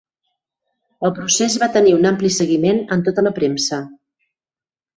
El procés va tenir un ampli seguiment en tota la premsa.